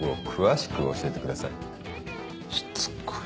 しつこい。